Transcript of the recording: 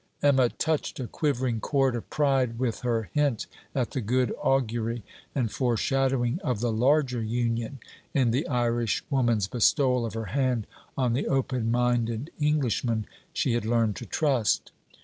Emma touched a quivering chord of pride with her hint at the good augury, and foreshadowing of the larger Union, in the Irishwoman's bestowal of her hand on the open minded Englishman she had learned to trust.